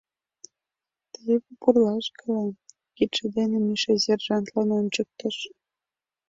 — Теве, пурлашкыла, — кидше дене Миша сержантлан ончыктыш.